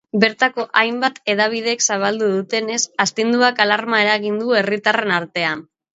Bertako hainbat hedabidek zabaldu dutenez, astinduak alarma eragin du herritarren artean.